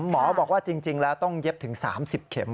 หมอบอกว่าจริงแล้วต้องเย็บถึง๓๐เข็ม